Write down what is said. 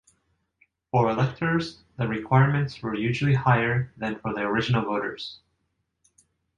For electors, the requirements were usually higher than for the original voters.